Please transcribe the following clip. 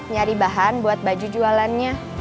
nyari bahan buat baju jualannya